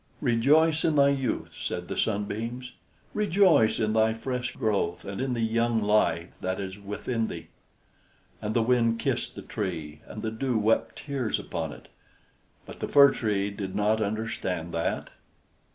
"Rejoice in thy youth," said the Sunbeams; "rejoice in thy fresh growth, and in the young life that is within thee." And the Wind kissed the Tree, and the Dew wept tears upon it; but the Fir Tree did not understand that.